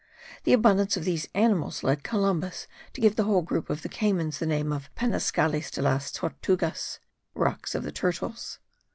The abundance of these animals led Columbus to give the whole group of the Caymans the name of Penascales de las Tortugas (rocks of the turtles.)